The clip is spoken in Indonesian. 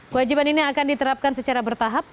kewajiban ini akan diterapkan secara bertahap